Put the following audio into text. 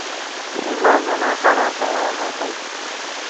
د ایمان رڼا هره تیاره ماتي.